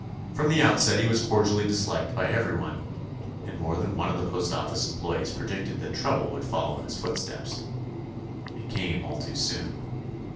From the outset he was cordially dis liked by everyone, and more than one of the postoffice employees predicted that trouble would follow in his foot steps. It came all too soon.